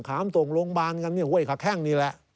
ขามตรงโรงพยาบาลกันเนี่ยห้วยขาแข้งนี่แหละ